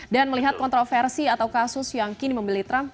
dan melihat kontroversi atau kasus yang kini memilih trump